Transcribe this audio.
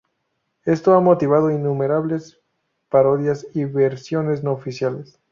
Esto ha motivado innumerables parodias y versiones no oficiales.